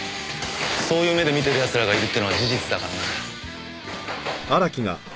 そういう目で見てる奴らがいるっていうのは事実だからな。